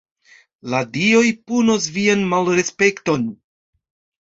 "La dioj punos vian malrespekton."